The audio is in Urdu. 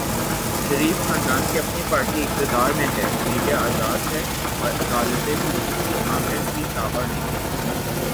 شریف خاندان کی اپنی پارٹی اقتدار میں ہے، میڈیا آزاد ہے اور عدالتیں بھی کسی آمر کے تابع نہیں۔